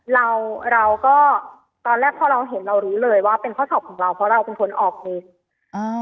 เราเราก็ตอนแรกพอเราเห็นเรารู้เลยว่าเป็นข้อสอบของเราเพราะเราเป็นคนออกเงินอ่า